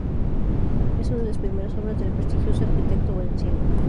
Es una de las primeras obras del prestigioso arquitecto valenciano.